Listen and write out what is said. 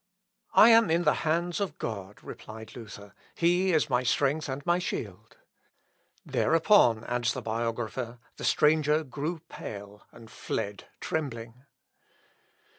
"I am in the hands of God," replied Luther; "He is my strength and my shield." "Thereupon," adds the biographer, "the stranger grew pale, and fled trembling."